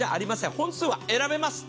本数は選べます。